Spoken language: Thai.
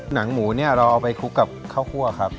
หนังหมูเนี่ยเราเอาไปคลุกกับข้าวคั่วครับ